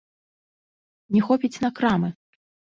Не хопіць на крамы.